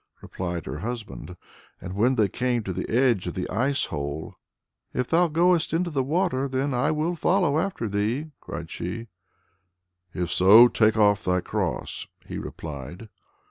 replied her husband. And when they came to the edge of the ice hole "If thou goest into the water, then will I follow after thee!" cried she. "If so, take off thy cross," he replied.